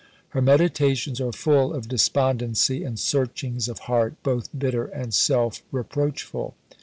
Her meditations are full of despondency and searchings of heart both bitter and self reproachful.